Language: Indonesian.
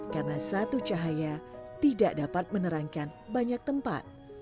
karena satu cahaya tidak dapat menerangkan banyak tempat